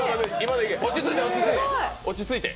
落ち着いて。